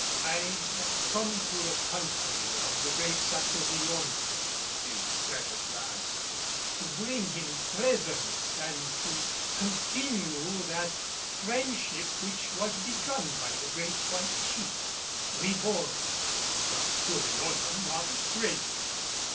"I have come to the country of the great Satouriona," he said at last, "to bring him presents and to continue that friendship which was begun by the great white chief, Ribault." Satouriona nodded gravely.